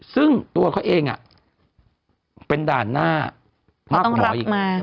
ซึ่งตัวเค้าเองอ่ะเป็นด่านหน้ามากของหมออีก